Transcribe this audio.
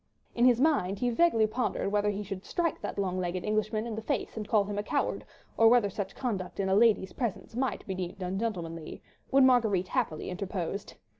In his mind he vaguely pondered whether he should strike that long legged Englishman in the face and call him a coward, or whether such conduct in a lady's presence might be deemed ungentlemanly, when Marguerite happily interposed.